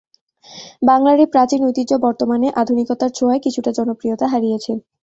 বাংলার এই প্রাচীন ঐতিহ্য বর্তমানে আধুনিকতার ছোঁয়ায় কিছুটা জনপ্রিয়তা হারিয়েছে।